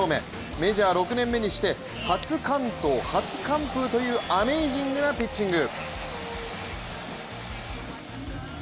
メジャー６年目にして、初完投・初完封というアメージングなピッチング。